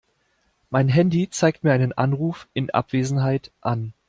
Mein Handy zeigt mir einen Anruf in Abwesenheit an.